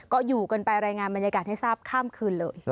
ก็อยู่กันไปรายงานบรรยากาศให้ทราบข้ามคืนเลย